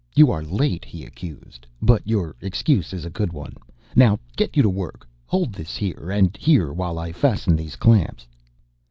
"You are late," he accused. "But your excuse is a good one. Now get you to work. Hold this here and here while I fasten these clamps."